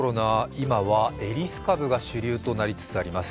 今はエリス株が主流となりつつあります。